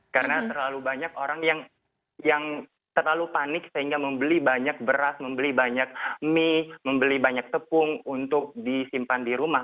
karena terlalu banyak orang yang terlalu panik sehingga membeli banyak beras membeli banyak mie membeli banyak tepung untuk disimpan di rumah